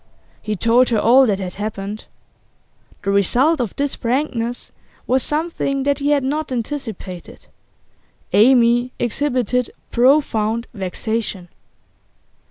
He told her all that had happened. The result of this frankness was something that he had not anticipated; Amy exhibited profound vexation.